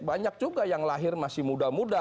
banyak juga yang lahir masih muda muda